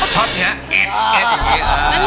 ชอบเนี้ยแอดแอดอีกอย่างงี้